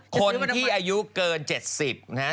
คนที่อายุเกิน๗๐นะฮะ